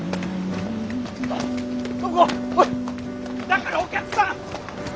だからお客さんお金！